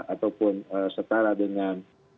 ataupun setara dengan